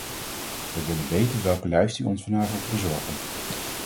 Wij willen weten welke lijst u ons vandaag wilt bezorgen.